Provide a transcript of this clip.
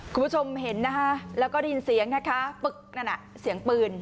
คุณผู้ชมเห็นนะคะแล้วก็ได้ยินเสียงนะคะปึ๊กนั่นน่ะเสียงปืน